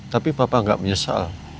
tapi papa enggak menyesal